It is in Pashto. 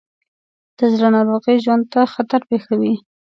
د زړه ناروغۍ ژوند ته خطر پېښوي.